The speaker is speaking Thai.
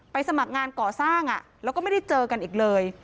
สมัครงานก่อสร้างแล้วก็ไม่ได้เจอกันอีกเลย